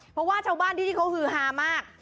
เพราะว่าชาวบ้านที่นี่เขาฮือฮามาก